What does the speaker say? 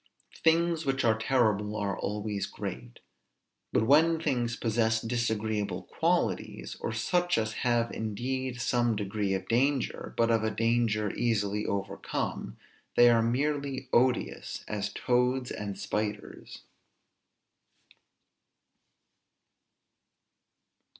Things which are terrible are always great; but when things possess disagreeable qualities, or such as have indeed some degree of danger, but of a danger easily overcome, they are merely odious; as toads and spiders.